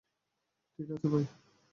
ঠিক আছে ভাই।